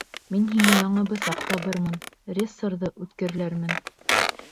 — Мин һиңә яңы бысаҡ табырмын, рессорҙы үткерләрмен.